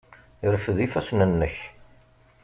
Rfed ifassen-nnek!